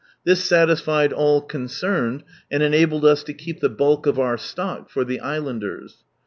This satisfied all concerned, and enabled us to keep the bulk of our stock for the islanders.